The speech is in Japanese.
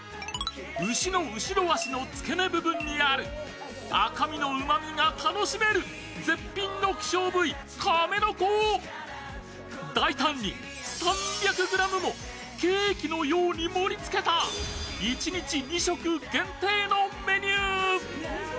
牛の後ろ足の付け根部分にある赤みのうまみが楽しめる絶品の希少部位カメノコを大胆に３００ｇもケーキのように盛りつけた一日２食限定のメニュー。